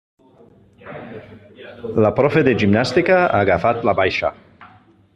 La profe de gimnàstica ha agafat la baixa.